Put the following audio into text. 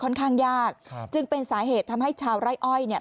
ค่อนข้างยากครับจึงเป็นสาเหตุทำให้ชาวไร่อ้อยเนี่ย